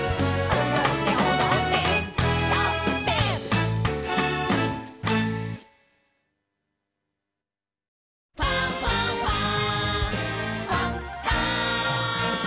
「おどっておどってタップステップ」「ファンファンファン」